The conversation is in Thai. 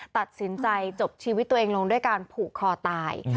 ตัดสินใจจบชีวิตตัวเองลงด้วยการผูกคอตาย